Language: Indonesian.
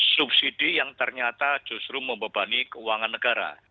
subsidi yang ternyata justru membebani keuangan negara